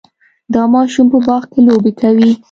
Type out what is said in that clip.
دا ماشوم په باغ کې لوبې کوي.